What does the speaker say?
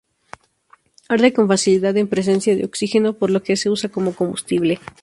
Arde con facilidad en presencia de oxígeno, por lo que se usa como combustible.